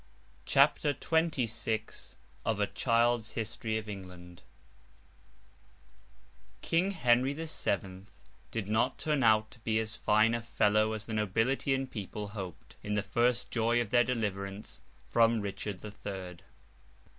CHAPTER XXVI ENGLAND UNDER HENRY THE SEVENTH King Henry the Seventh did not turn out to be as fine a fellow as the nobility and people hoped, in the first joy of their deliverance from Richard the Third.